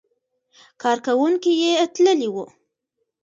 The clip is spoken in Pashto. کارکوونکي یې تللي وو.